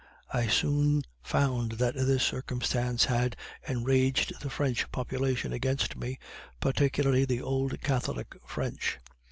I soon found that this circumstance had enraged the French population against me particularly the old Catholic French.